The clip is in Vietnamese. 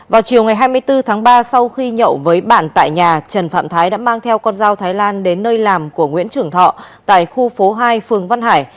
vào chiều ngày hai mươi bốn tháng ba sau khi nhậu với bạn tại nhà trần phạm thái đã mang theo con dao thái lan đến nơi làm của nguyễn trường thọ tại khu phố hai phường văn hải